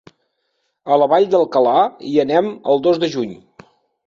A la Vall d'Alcalà hi anem el dos de juny.